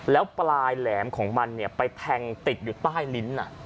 แล้วปลายแหลมของมันไปแทงติดอยู่ใต้ลิ้น